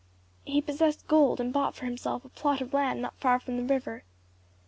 He possessed gold and bought for himself a plot of land not far from the river.